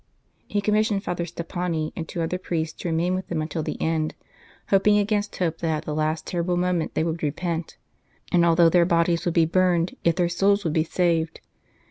He commissioned Father Stoppani and two other priests to remain with them until the end, hoping against hope that at the last terrible moment they would repent, and although their bodies would be burned, yet their souls would be saved.